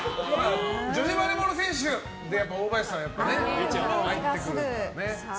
女子バレーボール選手で大林さんが入ってくるもんね。